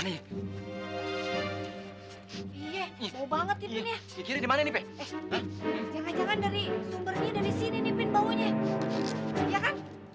jangan jangan dari sumbernya dari sini nih bau nya